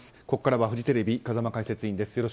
ここからはフジテレビ、風間解説委員です。